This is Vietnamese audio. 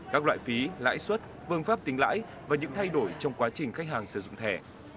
các loại phí lãi suất phương pháp tính lãi và những thay đổi trong quá trình khách hàng sử dụng thẻ